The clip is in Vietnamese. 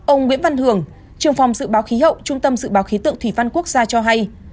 ông nguyễn văn hưởng trường phòng dự báo khí hậu trung tâm dự báo khí tượng thủy văn quốc gia cho hay